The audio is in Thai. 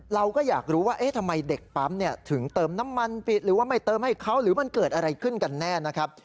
เราก็อยากรู้ว่าทำไมเด็กปั๊มถึงเติมน้ำมันปิดหรือว่าไม่เติมให้เขาหรือมันเกิดอะไรขึ้นกันแน่นะครับ